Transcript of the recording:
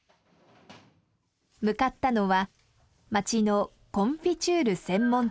向かったのは町のコンフィチュール専門店。